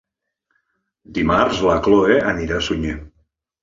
Dimarts na Cloè anirà a Sunyer.